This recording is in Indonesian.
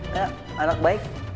ya anak baik